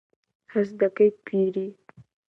هەست دەکەیت پیری؟